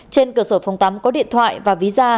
trên cửa sổ phòng tắm có điện thoại và ví da